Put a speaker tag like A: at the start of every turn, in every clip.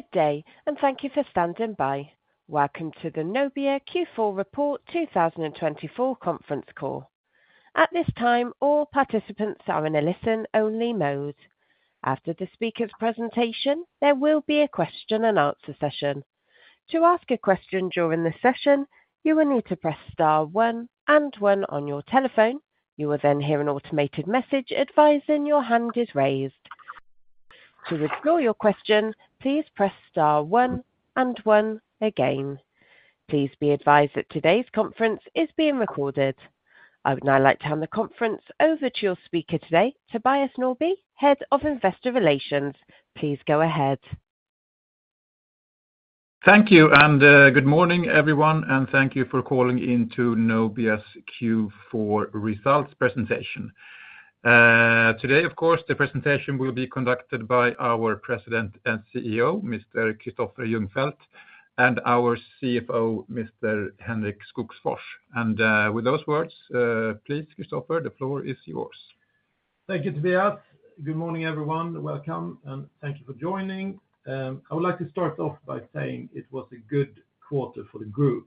A: Good day, and thank you for standing by. Welcome to the Nobia Q4 report 2024 conference call. At this time, all participants are in a listen-only mode. After the speaker's presentation, there will be a question-and-answer session. To ask a question during the session, you will need to press star one and one on your telephone. You will then hear an automated message advising your hand is raised. To record your question, please press star one and one again. Please be advised that today's conference is being recorded. I would now like to hand the conference over to your speaker today, Tobias Norrby, Head of Investor Relations. Please go ahead.
B: Thank you, and good morning, everyone. And thank you for calling in to Nobia's Q4 Results presentation. Today, of course, the presentation will be conducted by our President and CEO, Mr. Kristoffer Ljungfelt, and our CFO, Mr. Henrik Skogsfors. And with those words, please, Kristoffer, the floor is yours.
C: Thank you, Tobias. Good morning, everyone. Welcome, and thank you for joining. I would like to start off by saying it was a good quarter for the group.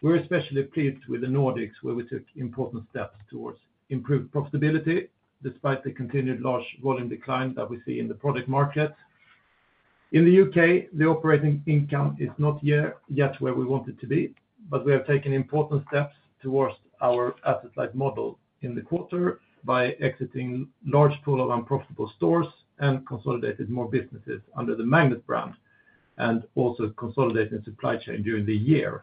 C: We're especially pleased with the Nordics, where we took important steps towards improved profitability despite the continued large volume decline that we see in the project market. In the U.K., the operating income is not yet where we want it to be, but we have taken important steps towards our asset-light model in the quarter by exiting a large pool of unprofitable stores and consolidating more businesses under the Magnet brand, and also consolidating the supply chain during the year.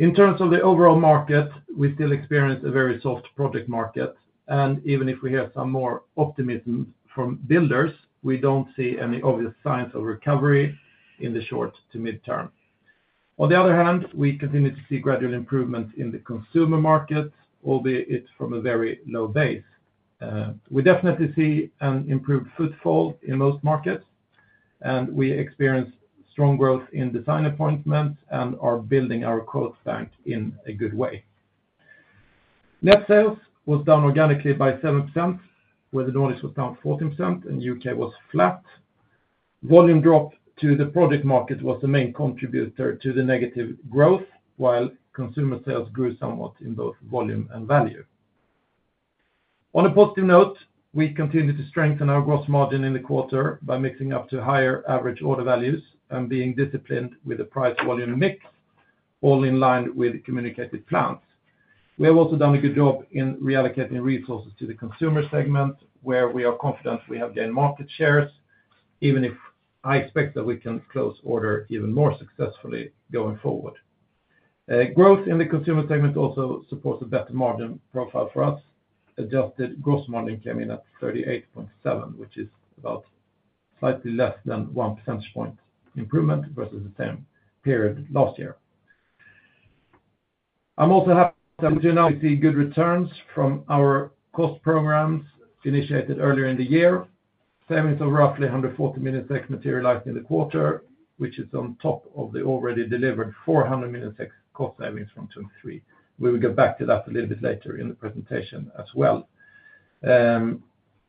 C: In terms of the overall market, we still experience a very soft project market, and even if we have some more optimism from builders, we don't see any obvious signs of recovery in the short to midterm. On the other hand, we continue to see gradual improvements in the consumer market, albeit from a very low base. We definitely see an improved footfall in most markets, and we experience strong growth in design appointments and are building our quote bank in a good way. Net sales was down organically by 7%, where the Nordics was down 14%, and the U.K. was flat. Volume drop to the project market was the main contributor to the negative growth, while consumer sales grew somewhat in both volume and value. On a positive note, we continue to strengthen our gross margin in the quarter by mixing up to higher average order values and being disciplined with a price-volume mix, all in line with communicated plans. We have also done a good job in reallocating resources to the consumer segment, where we are confident we have gained market shares, even if I expect that we can close order even more successfully going forward. Growth in the consumer segment also supports a better margin profile for us. Adjusted gross margin came in at 38.7, which is about slightly less than one percentage point improvement versus the same period last year. I'm also happy to announce we see good returns from our cost programs initiated earlier in the year. Savings of roughly 140 million materialized in the quarter, which is on top of the already delivered 400 million cost savings from 2023. We will get back to that a little bit later in the presentation as well.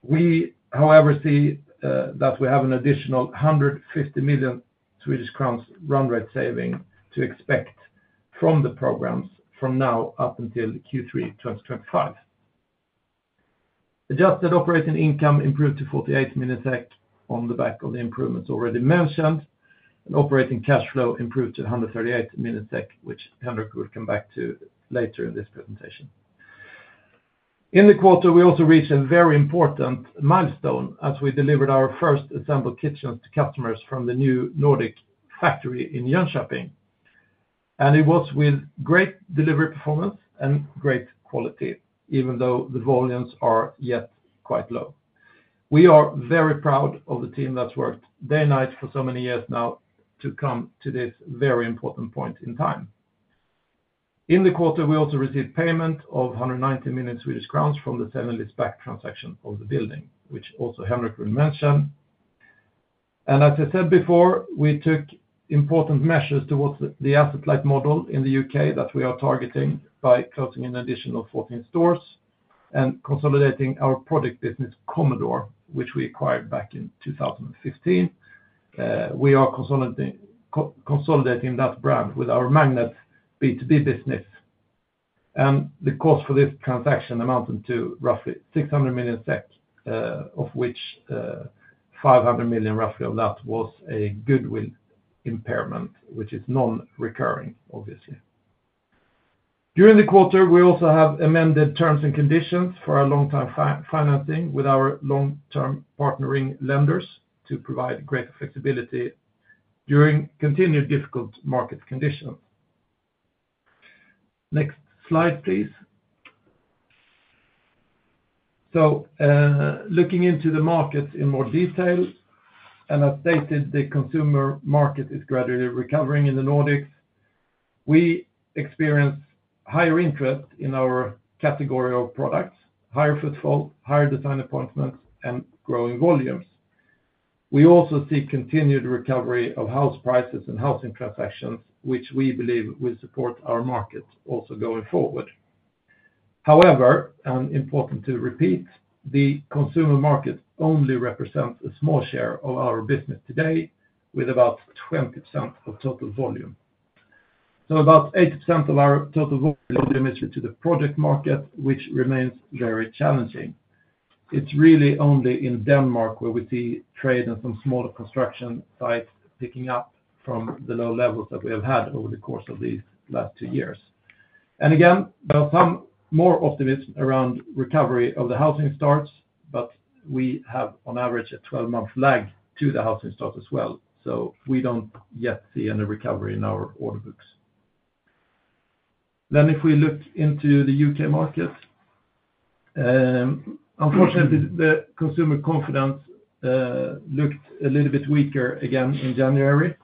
C: We, however, see that we have an additional 150 million Swedish crowns run rate saving to expect from the programs from now up until Q3 2025. Adjusted operating income improved to 48 million SEK on the back of the improvements already mentioned, and operating cash flow improved to 138 million SEK, which Henrik will come back to later in this presentation. In the quarter, we also reached a very important milestone as we delivered our first assembled kitchens to customers from the new Nordic factory in Jönköping, and it was with great delivery performance and great quality, even though the volumes are yet quite low. We are very proud of the team that's worked day and night for so many years now to come to this very important point in time. In the quarter, we also received payment of 190 million Swedish crowns from the seven-year sale and lease-back transaction of the building, which also Henrik will mention. And as I said before, we took important measures towards the asset-light model in the U.K. that we are targeting by closing an additional 14 stores and consolidating our project business, Commodore, which we acquired back in 2015. We are consolidating that brand with our Magnet B2B business. And the cost for this transaction amounted to roughly 600 million, of which roughly 500 million of that was a goodwill impairment, which is non-recurring, obviously. During the quarter, we also have amended terms and conditions for our long-term financing with our long-term partnering lenders to provide greater flexibility during continued difficult market conditions. Next slide, please. Looking into the markets in more detail, and as stated, the consumer market is gradually recovering in the Nordics. We experience higher interest in our category of products, higher footfall, higher design appointments, and growing volumes. We also see continued recovery of house prices and housing transactions, which we believe will support our market also going forward. However, and important to repeat, the consumer market only represents a small share of our business today, with about 20% of total volume. About 80% of our total volume is to the project market, which remains very challenging. It's really only in Denmark where we see trade and some smaller construction sites picking up from the low levels that we have had over the course of these last two years. Again, there are some more optimism around recovery of the housing starts, but we have on average a 12-month lag to the housing starts as well. So we don't yet see any recovery in our order books. Then if we look into the U.K. market, unfortunately, the consumer confidence looked a little bit weaker again in January.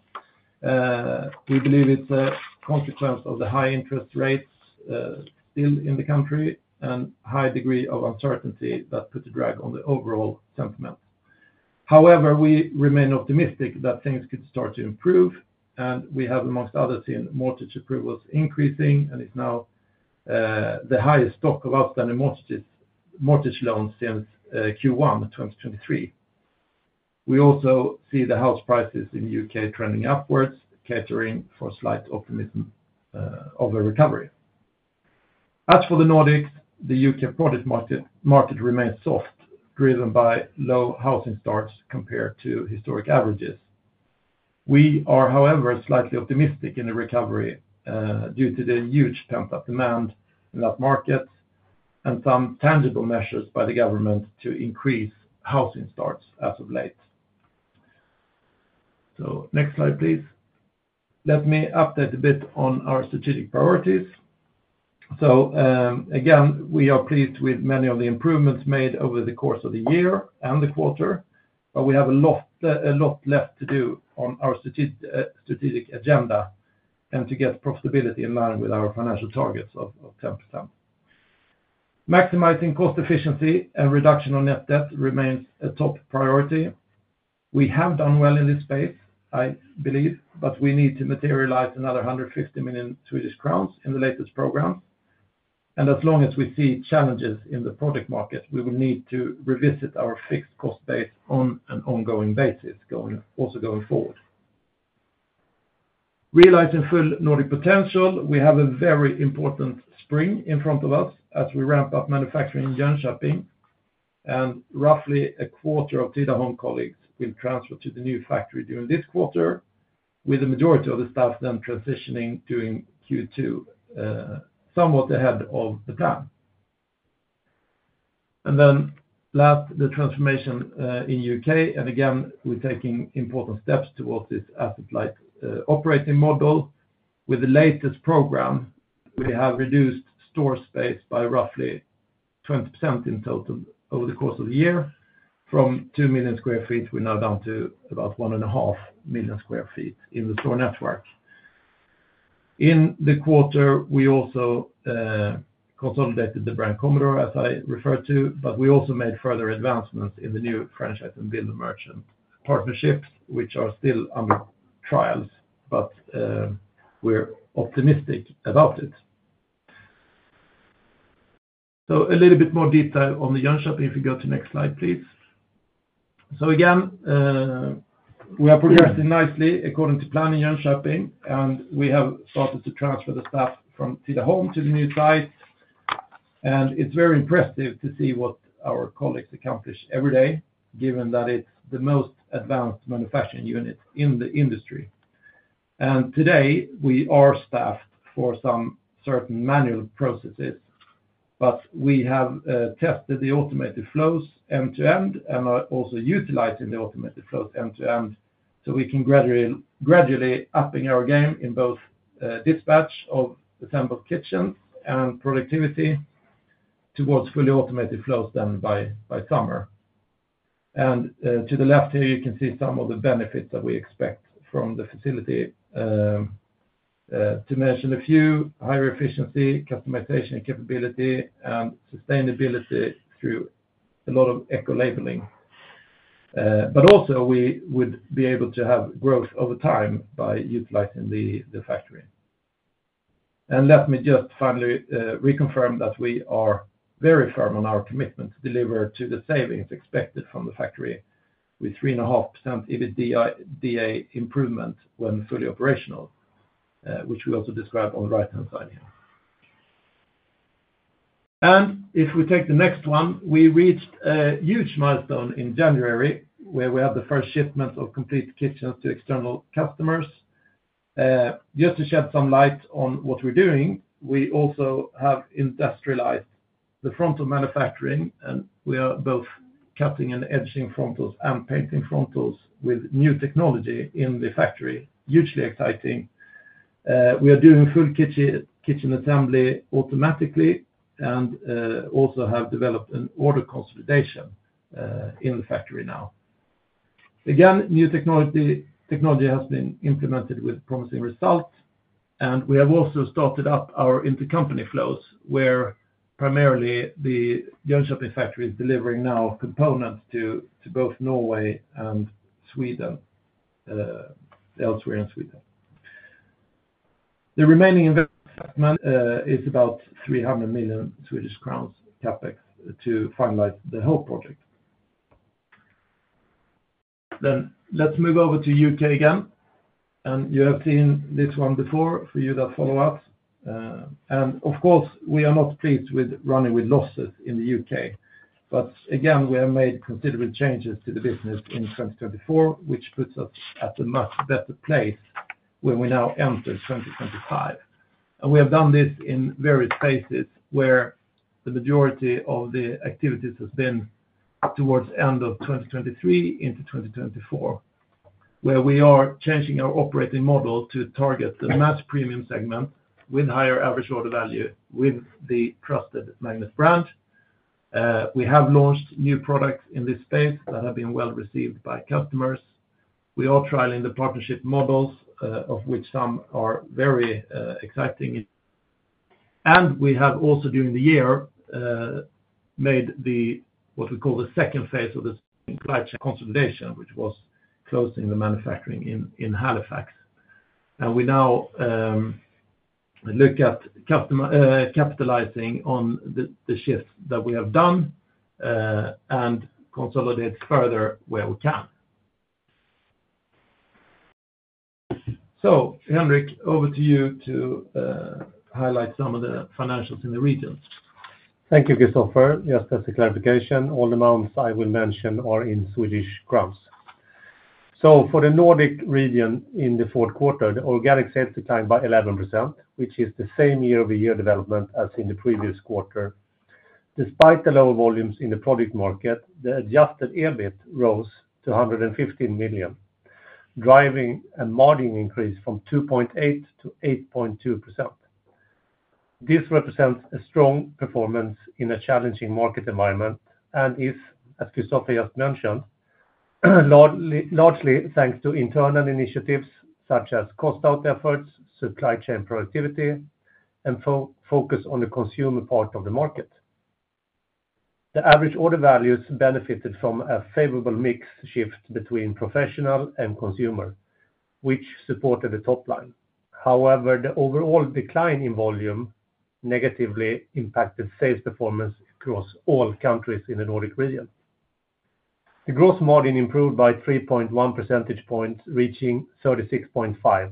C: We believe it's a consequence of the high interest rates still in the country and high degree of uncertainty that put a drag on the overall sentiment. However, we remain optimistic that things could start to improve, and we have, amongst other things, mortgage approvals increasing, and it's now the highest stock of outstanding mortgage loans since Q1 2023. We also see the house prices in the U.K. trending upwards, catering for slight optimism of a recovery. As for the Nordics, the U.K. project market remains soft, driven by low housing starts compared to historic averages. We are, however, slightly optimistic in the recovery due to the huge pent-up demand in that market and some tangible measures by the government to increase housing starts as of late. So next slide, please. Let me update a bit on our strategic priorities. So again, we are pleased with many of the improvements made over the course of the year and the quarter, but we have a lot left to do on our strategic agenda and to get profitability in line with our financial targets of 10%. Maximizing cost efficiency and reduction on net debt remains a top priority. We have done well in this space, I believe, but we need to materialize another 150 million Swedish crowns in the latest programs. As long as we see challenges in the project market, we will need to revisit our fixed cost base on an ongoing basis also going forward. Realizing full Nordic potential, we have a very important spring in front of us as we ramp up manufacturing in Jönköping, and roughly a quarter of Tidaholm colleagues will transfer to the new factory during this quarter, with the majority of the staff then transitioning during Q2, somewhat ahead of the plan. Then last, the transformation in U.K., and again, we're taking important steps towards this asset-light operating model. With the latest program, we have reduced store space by roughly 20% in total over the course of the year. From 2 million sq ft, we're now down to about 1.5 million sq ft in the store network. In the quarter, we also consolidated the brand Commodore, as I referred to, but we also made further advancements in the new franchise and builder merchant partnerships, which are still under trials, but we're optimistic about it. So a little bit more detail on the Jönköping, if you go to the next slide, please. So again, we are progressing nicely according to plan in Jönköping, and we have started to transfer the staff from Tidaholm to the new site. And it's very impressive to see what our colleagues accomplish every day, given that it's the most advanced manufacturing unit in the industry. And today, we are staffed for some certain manual processes, but we have tested the automated flows end-to-end and are also utilizing the automated flows end-to-end. So we can gradually upping our game in both dispatch of assembled kitchens and productivity towards fully automated flows done by summer. And to the left here, you can see some of the benefits that we expect from the facility. To mention a few, higher efficiency, customization capability, and sustainability through a lot of eco-labeling. But also, we would be able to have growth over time by utilizing the factory. And let me just finally reconfirm that we are very firm on our commitment to deliver to the savings expected from the factory with 3.5% EBITDA improvement when fully operational, which we also describe on the right-hand side here. And if we take the next one, we reached a huge milestone in January where we had the first shipment of complete kitchens to external customers. Just to shed some light on what we're doing, we also have industrialized the frontal manufacturing, and we are both cutting and edging frontals and painting frontals with new technology in the factory. Hugely exciting. We are doing full kitchen assembly automatically and also have developed an order consolidation in the factory now. Again, new technology has been implemented with promising results, and we have also started up our intercompany flows where primarily the Jönköping factory is delivering now components to both Norway and Sweden, elsewhere in Sweden. The remaining investment is about 300 million Swedish crowns CapEx to finalize the whole project. Then let's move over to the U.K. again. And you have seen this one before for you that follow us. And of course, we are not pleased with running with losses in the U.K. But again, we have made considerable changes to the business in 2024, which puts us at a much better place when we now enter 2025. And we have done this in various spaces where the majority of the activities has been towards the end of 2023 into 2024, where we are changing our operating model to target the mass premium segment with higher average order value with the trusted Magnet brand. We have launched new products in this space that have been well received by customers. We are trialing the partnership models, of which some are very exciting. And we have also during the year made what we call the second phase of the supply chain consolidation, which was closing the manufacturing in Halifax. And we now look at capitalizing on the shifts that we have done and consolidate further where we can. Henrik, over to you to highlight some of the financials in the region.
D: Thank you, Kristoffer. Just as a clarification, all the amounts I will mention are in Swedish crowns. For the Nordic region in the fourth quarter, the organic sales declined by 11%, which is the same year-over-year development as in the previous quarter. Despite the lower volumes in the project market, the adjusted EBIT rose to 115 million, driving a margin increase from 2.8% to 8.2%. This represents a strong performance in a challenging market environment and is, as Kristoffer just mentioned, largely thanks to internal initiatives such as cost-out efforts, supply chain productivity, and focus on the consumer part of the market. The average order values benefited from a favorable mix shift between professional and consumer, which supported the top line. However, the overall decline in volume negatively impacted sales performance across all countries in the Nordic region. The gross margin improved by 3.1 percentage points, reaching 36.5%,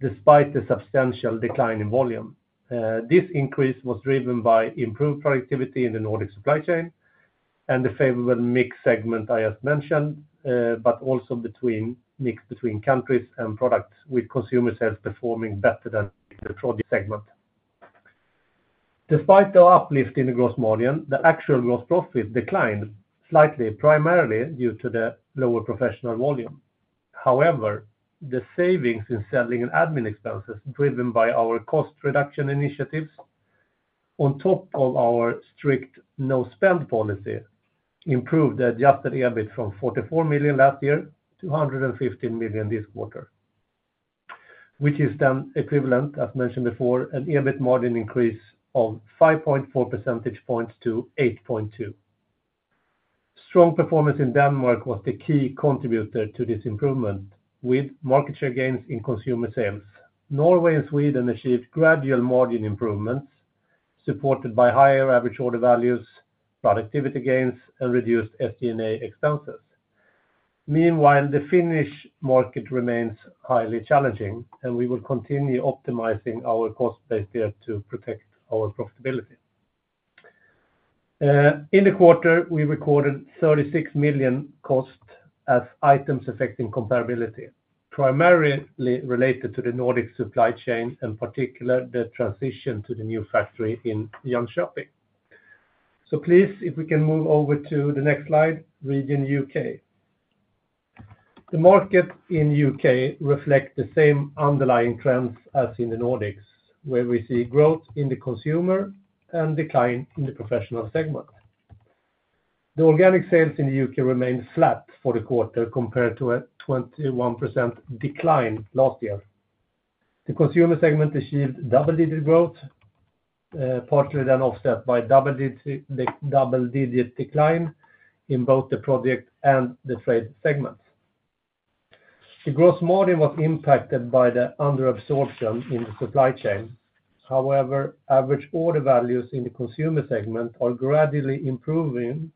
D: despite the substantial decline in volume. This increase was driven by improved productivity in the Nordic supply chain and the favorable mix segment I just mentioned, but also mix between countries and products with consumer sales performing better than the project segment. Despite the uplift in the gross margin, the actual gross profit declined slightly, primarily due to the lower project volume. However, the savings in selling and admin expenses, driven by our cost reduction initiatives on top of our strict no-spend policy, improved the adjusted EBIT from 44 million last year to 115 million this quarter, which is then equivalent, as mentioned before, an EBIT margin increase of 5.4 percentage points to 8.2%. Strong performance in Denmark was the key contributor to this improvement, with market share gains in consumer sales. Norway and Sweden achieved gradual margin improvements supported by higher average order values, productivity gains, and reduced SG&A expenses. Meanwhile, the Finnish market remains highly challenging, and we will continue optimizing our cost base there to protect our profitability. In the quarter, we recorded 36 million in costs as items affecting comparability, primarily related to the Nordic supply chain and particularly the transition to the new factory in Jönköping. Please, if we can move over to the next slide, region U.K. The market in the U.K. reflects the same underlying trends as in the Nordics, where we see growth in the consumer and decline in the professional segment. The organic sales in the U.K. remained flat for the quarter compared to a 21% decline last year. The consumer segment achieved double-digit growth, partially then offset by double-digit decline in both the project and the trade segments. The gross margin was impacted by the underabsorption in the supply chain. However, average order values in the consumer segment are gradually improving,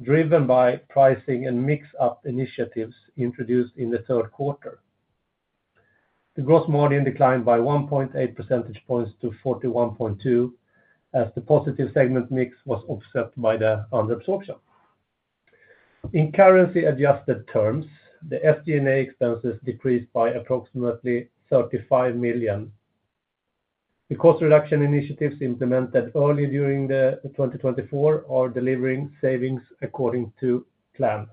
D: driven by pricing and mix-up initiatives introduced in the third quarter. The gross margin declined by 1.8 percentage points to 41.2% as the positive segment mix was offset by the underabsorption. In currency-adjusted terms, the SG&A expenses decreased by approximately 35 million. The cost reduction initiatives implemented earlier during 2024 are delivering savings according to plan,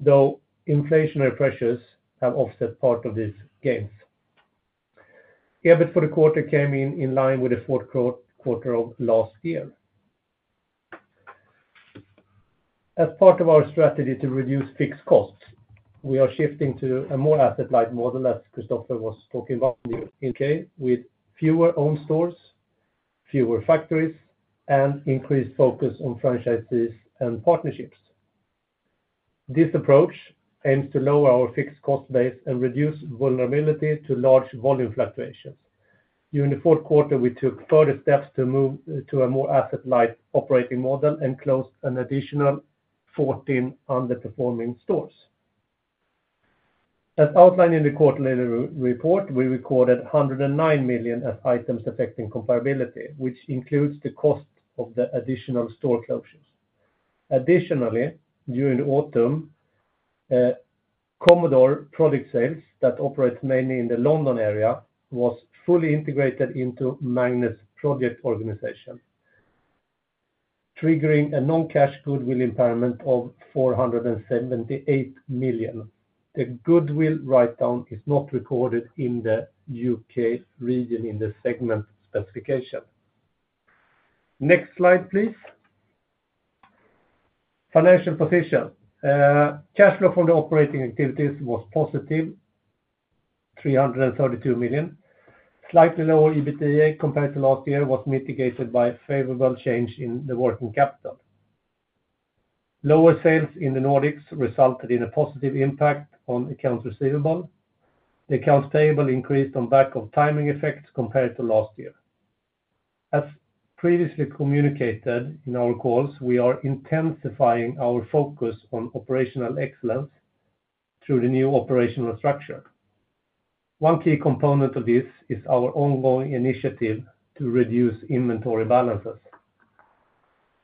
D: though inflationary pressures have offset part of these gains. EBIT for the quarter came in line with the fourth quarter of last year. As part of our strategy to reduce fixed costs, we are shifting to a more asset-light model, as Kristoffer was talking about in U.K., with fewer owned stores, fewer factories, and increased focus on franchisees and partnerships. This approach aims to lower our fixed cost base and reduce vulnerability to large volume fluctuations. During the fourth quarter, we took further steps to move to a more asset-light operating model and closed an additional 14 underperforming stores. As outlined in the quarterly report, we recorded 109 million as items affecting comparability, which includes the cost of the additional store closures. Additionally, during the autumn, Commodore project sales that operates mainly in the London area was fully integrated into Magnet's project organization, triggering a non-cash goodwill impairment of 478 million. The goodwill write-down is not recorded in the U.K. region in the segment specification. Next slide, please. Financial position. Cash flow from the operating activities was positive 332 million. Slightly lower EBITDA compared to last year was mitigated by favorable change in the working capital. Lower sales in the Nordics resulted in a positive impact on accounts receivable. The accounts payable increased on back-of-timing effects compared to last year. As previously communicated in our calls, we are intensifying our focus on operational excellence through the new operational structure. One key component of this is our ongoing initiative to reduce inventory balances.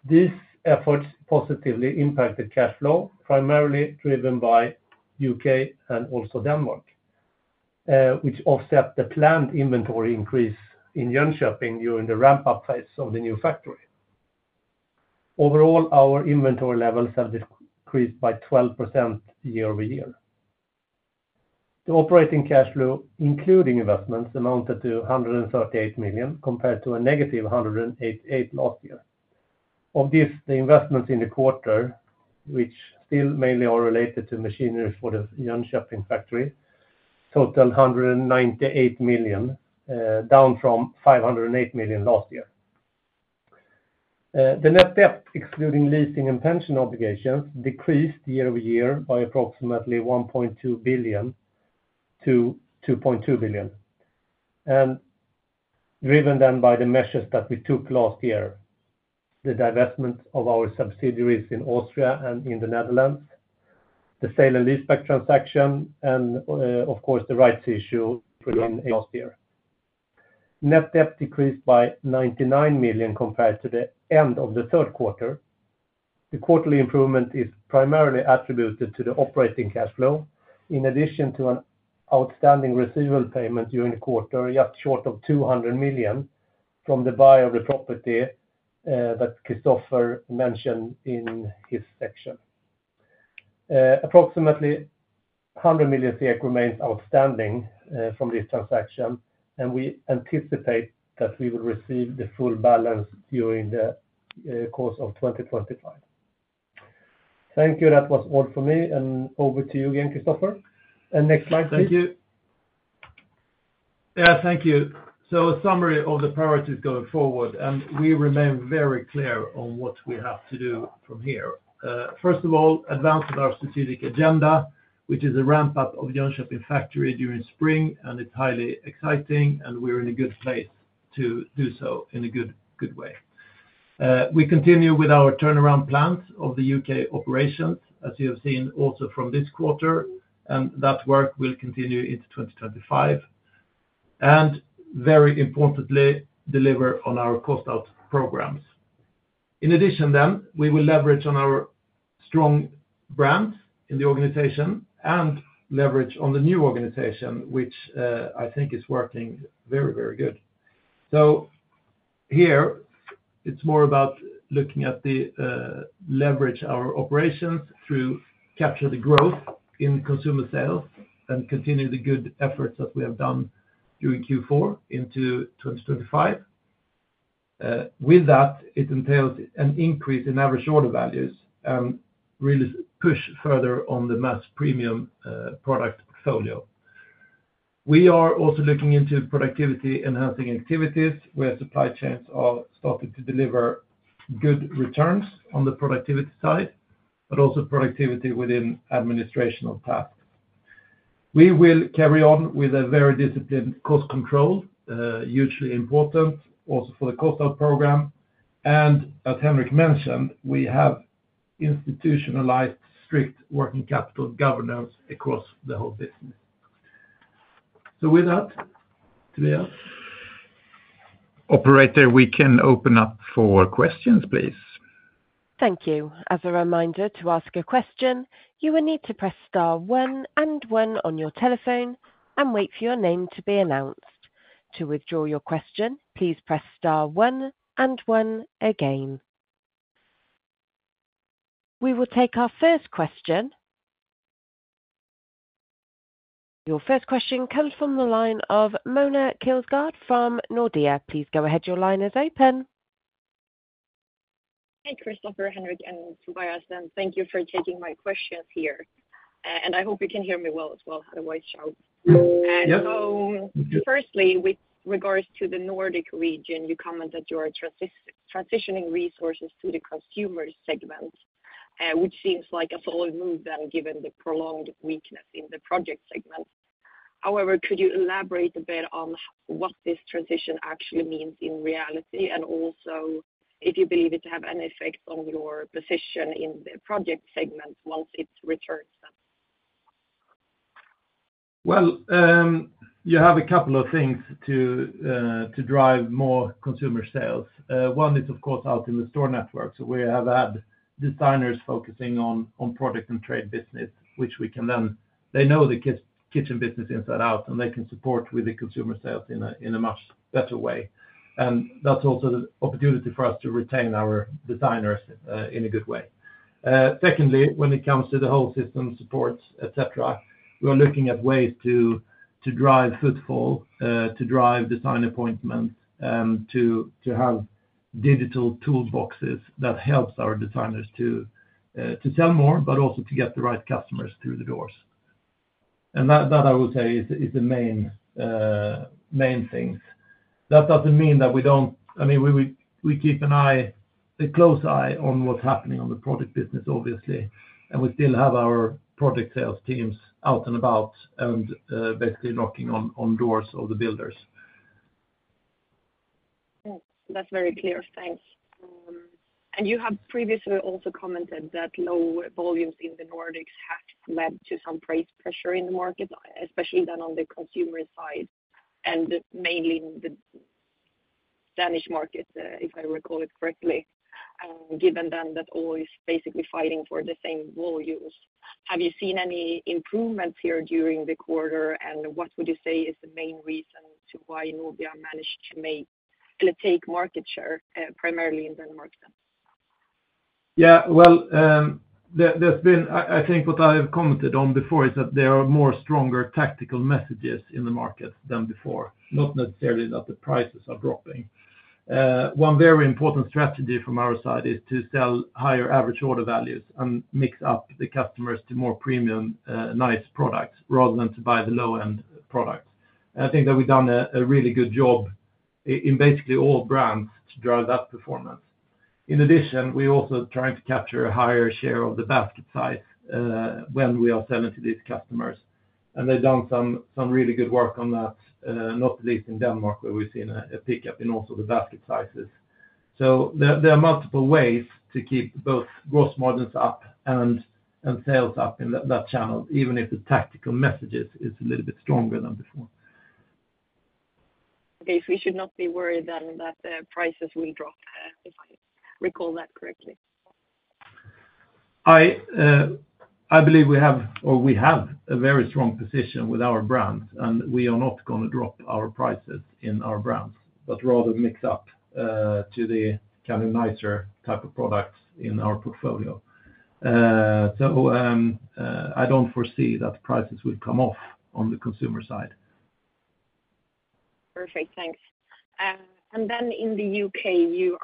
D: These efforts positively impacted cash flow, primarily driven by U.K. and also Denmark, which offset the planned inventory increase in Jönköping during the ramp-up phase of the new factory. Overall, our inventory levels have decreased by 12% year-over-year. The operating cash flow, including investments, amounted to 138 million compared to a negative 188 million last year. Of this, the investments in the quarter, which still mainly are related to machinery for the Jönköping factory, totaled 198 million, down from 508 million last year. The net debt, excluding leasing and pension obligations, decreased year-over-year by approximately 1.2 billion to 2.2 billion, and driven then by the measures that we took last year, the divestment of our subsidiaries in Austria and in the Netherlands, the sale and lease-back transaction, and of course, the rights issue within last year. Net debt decreased by 99 million compared to the end of the third quarter. The quarterly improvement is primarily attributed to the operating cash flow, in addition to an outstanding receivable payment during the quarter, just short of 200 million from the buyer of the property that Kristoffer mentioned in his section. Approximately 100 million remains outstanding from this transaction, and we anticipate that we will receive the full balance during the course of 2025. Thank you. That was all for me. And over to you again, Kristoffer. And next slide, please.
C: Thank you. Yeah, thank you. So a summary of the priorities going forward, and we remain very clear on what we have to do from here. First of all, advance of our strategic agenda, which is a ramp-up of Jönköping factory during spring, and it's highly exciting, and we're in a good place to do so in a good way. We continue with our turnaround plans of the U.K. operations, as you have seen also from this quarter, and that work will continue into 2025. And very importantly, deliver on our cost-out programs. In addition, then, we will leverage on our strong brand in the organization and leverage on the new organization, which I think is working very, very good. So here, it's more about looking at the leverage of our operations through capture the growth in consumer sales and continue the good efforts that we have done during Q4 into 2025. With that, it entails an increase in average order values and really push further on the mass premium product portfolio. We are also looking into productivity-enhancing activities where supply chains are starting to deliver good returns on the productivity side, but also productivity within administrative tasks. We will carry on with a very disciplined cost control, hugely important also for the cost-out program. And as Henrik mentioned, we have institutionalized strict working capital governance across the whole business. So with that, Tobias.
B: Operator, we can open up for questions, please.
A: Thank you. As a reminder, to ask a question, you will need to press star one and one on your telephone and wait for your name to be announced. To withdraw your question, please press star one and one again. We will take our first question. Your first question comes from the line of Mona Kilsgård from Nordea. Please go ahead. Your line is open.
E: Hey, Kristoffer, Henrik, and Tobias. And thank you for taking my questions here. And I hope you can hear me well as well. Otherwise, shout. So firstly, with regards to the Nordic region, you comment that you are transitioning resources to the consumer segment, which seems like a solid move then given the prolonged weakness in the project segment. However, could you elaborate a bit on what this transition actually means in reality and also if you believe it to have any effects on your position in the project segment once it returns?
C: Well, you have a couple of things to drive more consumer sales. One is, of course, out in the store network. So we have had designers focusing on product and trade business, which we can. Then they know the kitchen business inside out, and they can support with the consumer sales in a much better way. And that's also the opportunity for us to retain our designers in a good way. Secondly, when it comes to the whole system support, etc., we are looking at ways to drive footfall, to drive design appointments, and to have digital toolboxes that help our designers to sell more, but also to get the right customers through the doors. And that, I would say, is the main things. That doesn't mean that we don't, I mean, we keep an eye, a close eye on what's happening on the project business, obviously. And we still have our product sales teams out and about and basically knocking on doors of the builders.
E: That's very clear. Thanks. And you have previously also commented that low volumes in the Nordics have led to some price pressure in the market, especially then on the consumer side and mainly in the Danish market, if I recall it correctly, given then that all is basically fighting for the same volumes. Have you seen any improvements here during the quarter? And what would you say is the main reason to why Nobia managed to take market share primarily in Denmark then?
C: Yeah. There's been, I think, what I have commented on before is that there are more stronger tactical messages in the markets than before, not necessarily that the prices are dropping. One very important strategy from our side is to sell higher average order values and mix up the customers to more premium, nice products rather than to buy the low-end products, and I think that we've done a really good job in basically all brands to drive that performance. In addition, we're also trying to capture a higher share of the basket size when we are selling to these customers, and they've done some really good work on that, not least in Denmark, where we've seen a pickup in also the basket sizes. So there are multiple ways to keep both gross margins up and sales up in that channel, even if the tactical message is a little bit stronger than before.
E: Okay. So we should not be worried then that prices will drop if I recall that correctly.
C: I believe we have or we have a very strong position with our brands, and we are not going to drop our prices in our brands, but rather mix up to the kind of nicer type of products in our portfolio. So I don't foresee that prices will come off on the consumer side.
E: Perfect. Thanks. Then in the U.K., you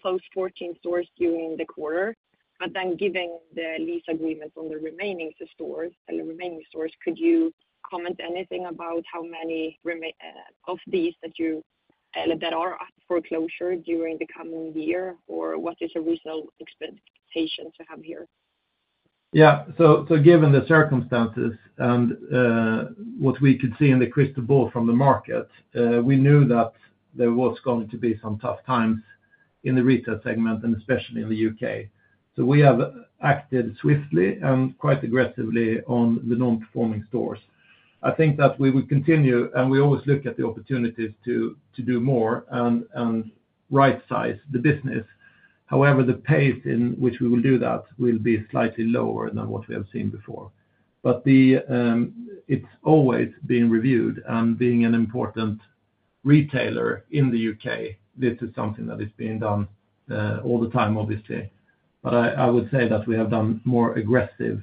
E: closed 14 stores during the quarter, but then given the lease agreements on the remaining stores, could you comment anything about how many of these that are at foreclosure during the coming year, or what is the result expectation to have here?
C: Yeah. So given the circumstances and what we could see in the crystal ball from the market, we knew that there was going to be some tough times in the retail segment and especially in the U.K. So we have acted swiftly and quite aggressively on the non-performing stores. I think that we will continue, and we always look at the opportunities to do more and right-size the business. However, the pace in which we will do that will be slightly lower than what we have seen before. But it's always been reviewed. Being an important retailer in the U.K., this is something that is being done all the time, obviously. I would say that we have done more aggressive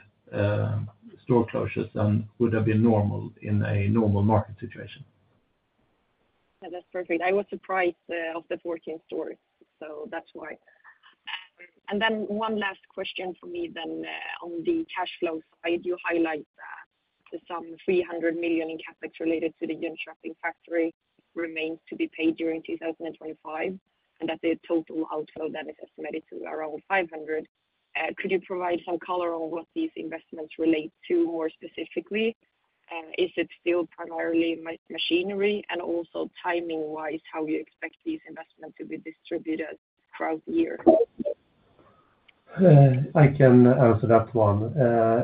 C: store closures than would have been normal in a normal market situation.
E: That's perfect. I was surprised of the 14 stores, so that's why. One last question for me then on the cash flow side. You highlight that some 300 million in CapEx related to the Jönköping factory remains to be paid during 2025, and that the total outflow then is estimated to be around 500 million. Could you provide some color on what these investments relate to more specifically? Is it still primarily machinery and also timing-wise how you expect these investments to be distributed throughout the year?
D: I can answer that one.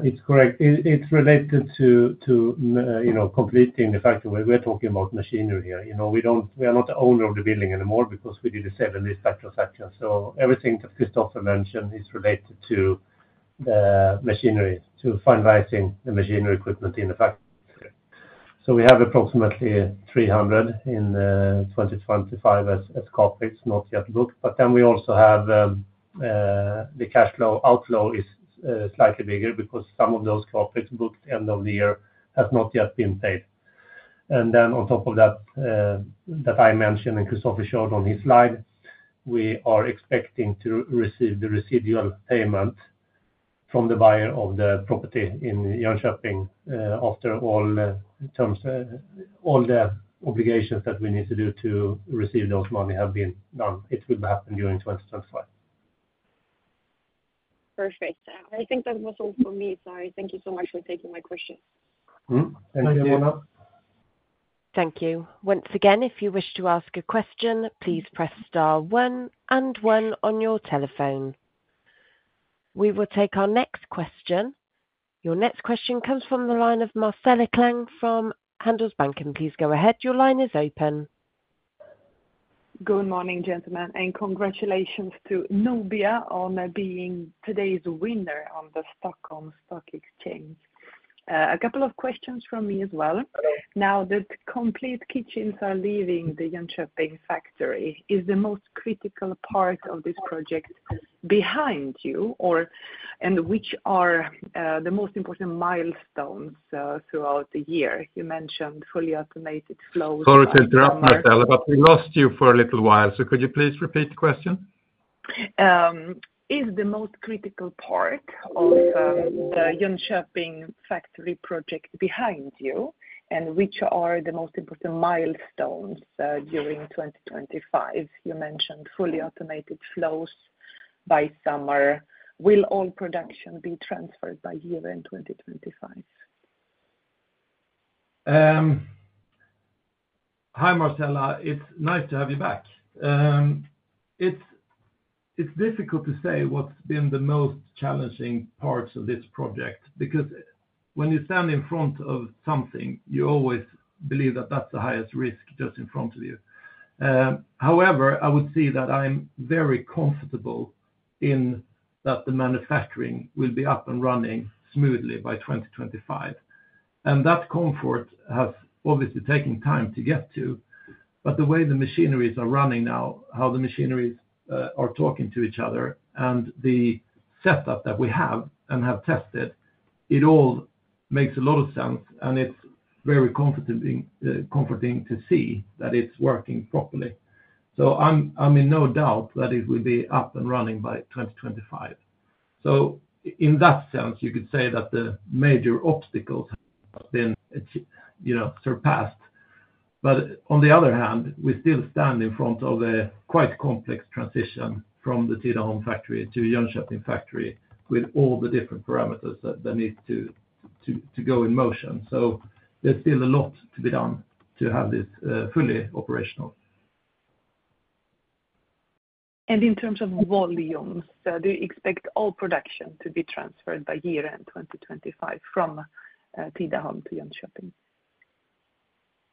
D: It's correct. It's related to completing the factory. We're talking about machinery here. We are not the owner of the building anymore because we did a sale and lease-back transaction. So everything that Kristoffer mentioned is related to machinery, to finalizing the machinery equipment in the factory. So we have approximately 300 in 2025 as capex, not yet booked. But then we also have the cash flow outflow is slightly bigger because some of those capex booked at the end of the year have not yet been paid. And then on top of that that I mentioned and Kristoffer showed on his slide, we are expecting to receive the residual payment from the buyer of the property in Jönköping after all the obligations that we need to do to receive those money have been done. It will happen during 2025.
E: Perfect. I think that was all for me. Sorry. Thank you so much for taking my questions.
C: Thank you, Mona.
D: Thank you.
A: Once again, if you wish to ask a question, please press star one and one on your telephone. We will take our next question. Your next question comes from the line of Marcela Klang from Handelsbanken. Please go ahead. Your line is open.
F: Good morning, gentlemen, and congratulations to Nobia on being today's winner on the Stockholm Stock Exchange. A couple of questions from me as well. Now, the complete kitchens are leaving the Jönköping factory. Is the most critical part of this project behind you, and which are the most important milestones throughout the year? You mentioned fully automated flows.
C: Sorry to interrupt, Marcela, but we lost you for a little while. So could you please repeat the question?
F: Is the most critical part of the Jönköping factory project behind you, and which are the most important milestones during 2025? You mentioned fully automated flows by summer. Will all production be transferred by year-end 2025?
C: Hi, Marcela. It's nice to have you back. It's difficult to say what's been the most challenging parts of this project because when you stand in front of something, you always believe that that's the highest risk just in front of you. However, I would say that I'm very comfortable in that the manufacturing will be up and running smoothly by 2025. And that comfort has obviously taken time to get to. But the way the machineries are running now, how the machineries are talking to each other, and the setup that we have and have tested, it all makes a lot of sense, and it's very comforting to see that it's working properly. So I'm in no doubt that it will be up and running by 2025. So in that sense, you could say that the major obstacles have been surpassed. But on the other hand, we still stand in front of a quite complex transition from the Tidaholm factory to Jönköping factory with all the different parameters that need to go in motion. So there's still a lot to be done to have this fully operational.
F: And in terms of volumes, do you expect all production to be transferred by year-end 2025 from Tidaholm to Jönköping?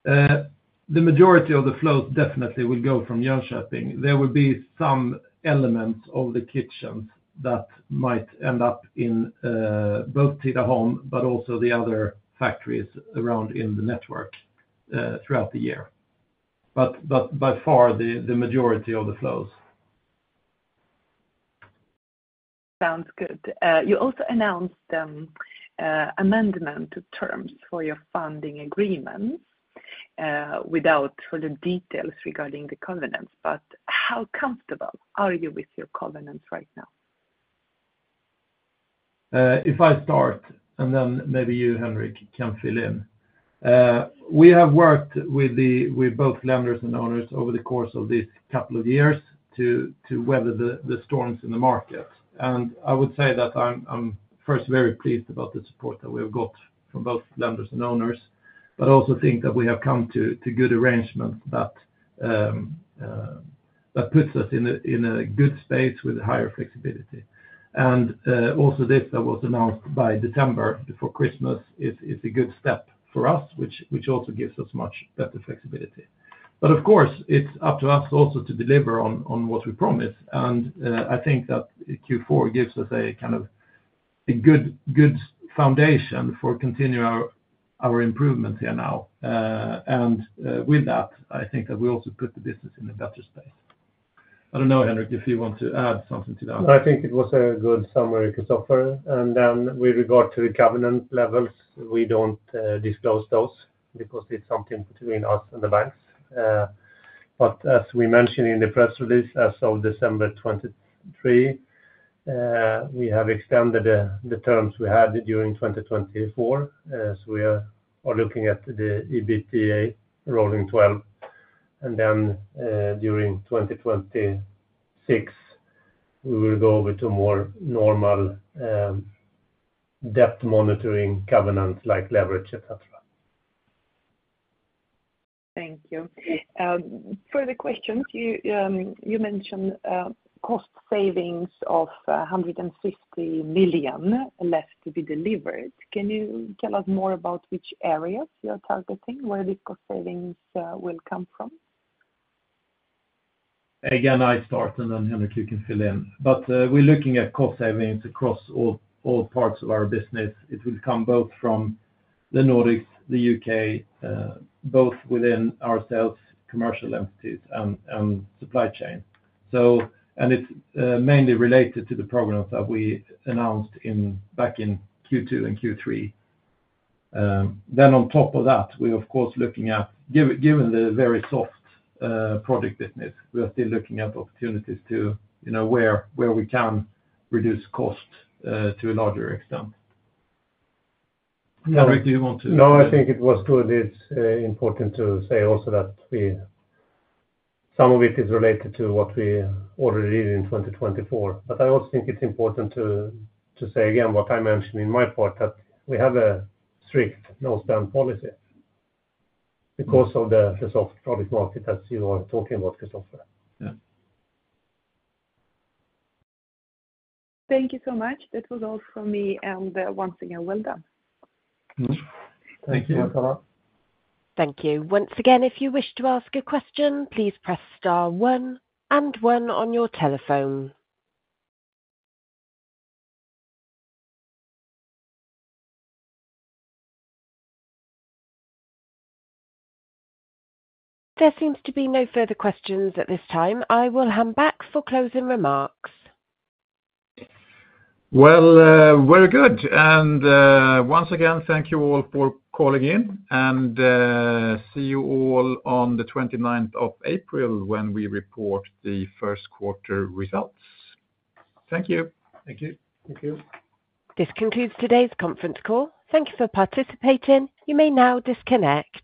C: The majority of the flows definitely will go from Jönköping. There will be some elements of the kitchens that might end up in both Tidaholm, but also the other factories around in the network throughout the year. But by far, the majority of the flows.
F: Sounds good. You also announced amendment terms for your funding agreements without further details regarding the covenants. But how comfortable are you with your covenants right now?
C: If I start, and then maybe you, Henrik, can fill in. We have worked with both lenders and owners over the course of these couple of years to weather the storms in the market. And I would say that I'm first very pleased about the support that we have got from both lenders and owners, but also think that we have come to good arrangements that puts us in a good space with higher flexibility. And also this, that was announced by December before Christmas, is a good step for us, which also gives us much better flexibility. But of course, it's up to us also to deliver on what we promise. And I think that Q4 gives us a kind of good foundation for continuing our improvements here now. And with that, I think that we also put the business in a better space. I don't know, Henrik, if you want to add something to that.
D: I think it was a good summary, Kristoffer. And then with regard to the covenant levels, we don't disclose those because it's something between us and the banks. But as we mentioned in the press release as of December 23, we have extended the terms we had during 2024. So we are looking at the EBITDA rolling 12. And then during 2026, we will go over to more normal debt monitoring covenants like leverage, etc.
F: Thank you. Further questions. You mentioned cost savings of 150 million left to be delivered. Can you tell us more about which areas you're targeting? Where these cost savings will come from?
C: Again, I start, and then Henrik, you can fill in. But we're looking at cost savings across all parts of our business. It will come both from the Nordics, the U.K., both within ourselves, commercial entities, and supply chain, and it's mainly related to the programs that we announced back in Q2 and Q3. Then on top of that, we're, of course, looking at, given the very soft project business, we are still looking at opportunities to where we can reduce cost to a larger extent. Henrik, do you want to?
D: No, I think it was good. It's important to say also that some of it is related to what we already did in 2024, but I also think it's important to say again what I mentioned in my part, that we have a strict no-spend policy because of the soft project market that you are talking about, Kristoffer.
F: Thank you so much. That was all from me, and once again, well done.
C: Thank you, Marcela.
D: Thank you.
C: Once again, if you wish to ask a question, please press star one and one on your telephone. There seems to be no further questions at this time. I will hand back for closing remarks.
B: Well, we're good. And once again, thank you all for calling in. And see you all on the 29th of April when we report the first quarter results.
C: Thank you.
D: Thank you. Thank you.
A: This concludes today's conference call. Thank you for participating. You may now disconnect.